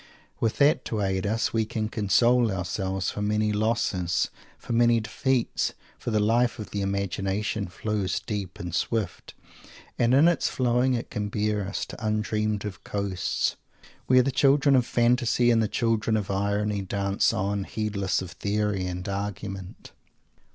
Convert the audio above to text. _ With that to aid us, we can console ourselves for many losses, for many defeats. For the life of the Imagination flows deep and swift, and in its flowing it can bear us to undreamed of coasts, where the children of fantasy and the children of irony dance on heedless of theory and argument.